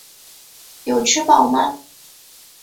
有吃饱吗？